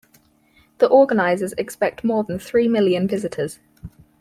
The organizers expect more than three million visitors.